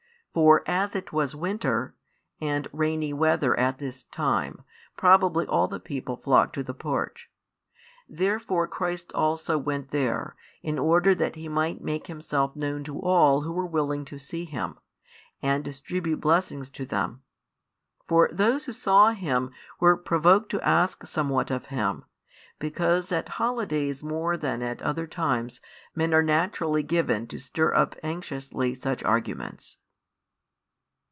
And as it was winter and rainy weather at this time, probably all the people flocked to the porch. Therefore Christ also went there, in order that He might make Himself known to all who were willing to see Him, |98 and distribute blessings to them. For those who saw Him were provoked to ask somewhat of Him, because at holidays more than at other times men are naturally given to stir up anxiously such arguments.